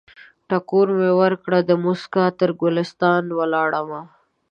ټکور مې ورکړ، دموسکا تر ګلستان ولاړمه